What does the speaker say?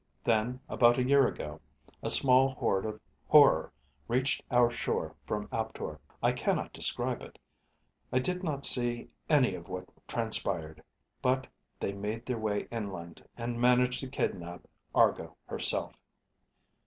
Then, about a year ago, a small hoard of horror reached our shore from Aptor. I cannot describe it. I did not see any of what transpired. But they made their way inland, and managed to kidnap Argo herself."